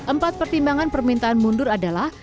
empat pertimbangan permintaan mundur adalah